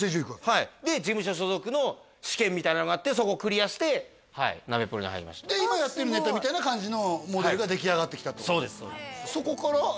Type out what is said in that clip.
はいで事務所所属の試験みたいなのがあってそこクリアしてはいナベプロに入りましたで今やってるネタみたいな感じのモデルが出来上がってきたってこと？